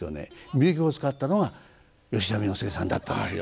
深雪を遣ったのが吉田簑助さんだったんですよ。